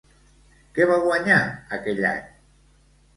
Què va guanyar aquell any?